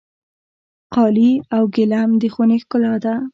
قالي او ګلیم د خونې ښکلا ده.